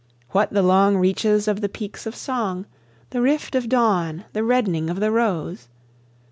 What the long reaches of the peaks of song, The rift of dawn, the reddening of the rose?